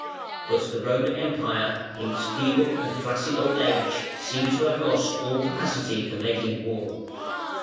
But the Roman Empire, in its feeble and flaccid old age, seemed to have lost all capacity for making war.